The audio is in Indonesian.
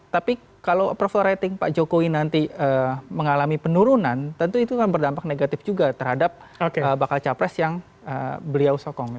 tapi kalau approval rating pak jokowi nanti mengalami penurunan tentu itu akan berdampak negatif juga terhadap bakal capres yang beliau sokong